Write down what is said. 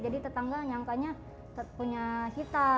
jadi tetangga nyangkanya punya kita